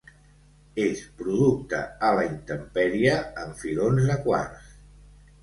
És producte a la intempèrie en filons de quars.